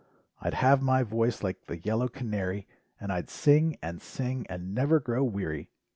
I'd have my voice like the yellow canary. And I'd sing and sing and never grow weary.